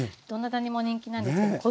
どなたにも人気なんですけど。